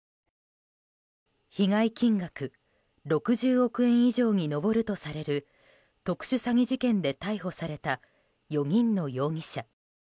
被害金額６０億円以上に上るとされる特殊詐欺事件で逮捕された４人の容疑者。